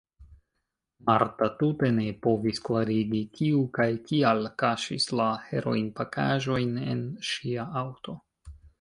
Marta tute ne povis klarigi, kiu kaj kial kaŝis la heroinpakaĵojn en ŝia aŭto.